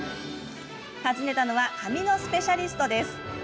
訪ねたのは髪のスペシャリストです。